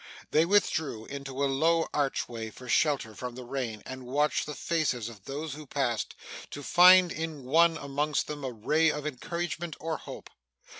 They withdrew into a low archway for shelter from the rain, and watched the faces of those who passed, to find in one among them a ray of encouragement or hope.